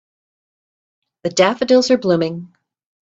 The daffodils are blooming.